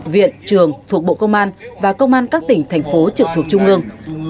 viện trường thuộc bộ công an và công an các tỉnh thành phố trực thuộc trung ương